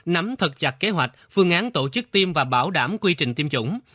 nắm thật chặt kế hoạch phương án tổ chức tiêm và bảo đảm quy trình tiêm chủng